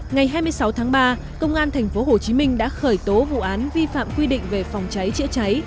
ngày hai mươi sáu tháng ba công an tp hcm đã khởi tố vụ án vi phạm quy định về phòng cháy chữa cháy